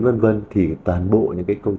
v v thì toàn bộ những cái công trình